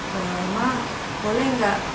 kalau lama boleh gak